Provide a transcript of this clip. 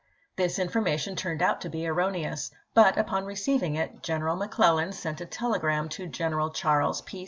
This information turned out to be erroneous ; but upon receiving it General Mc Clellan sent a telegram to General Charles P.